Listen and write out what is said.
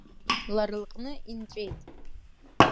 Лара лҟны инҵәеит.